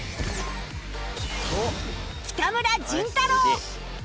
北村仁太郎